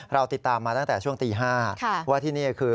เราติดตามมาตั้งแต่ช่วงตี๕ว่าที่นี่คือ